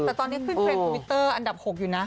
แต่ตอนนี้ขึ้นเทรนดทวิตเตอร์อันดับ๖อยู่นะ